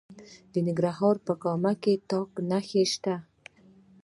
د ننګرهار په کامه کې د تالک نښې شته.